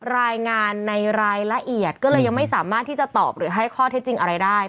รายงานในรายละเอียดก็เลยยังไม่สามารถที่จะตอบหรือให้ข้อเท็จจริงอะไรได้